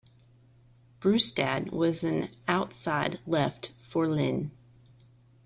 Brustad was an outside-left for Lyn.